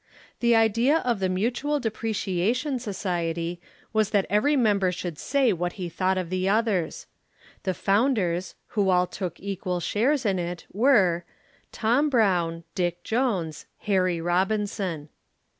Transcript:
The idea of the Mutual Depreciation Society was that every member should say what he thought of the others. The founders, who all took equal shares in it, were Tom Brown, Dick Jones, Harry Robinson.